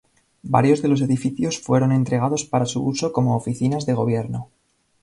Varios de los edificios fueron entregados para su uso como oficinas de gobierno.